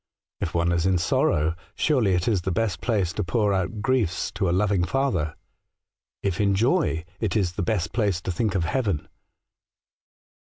If one is in sorrow, surely it is the best place to pour our griefs to a loving Father ; if in joy, it is the best place to think of heaven.'